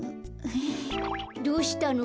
どうしたの？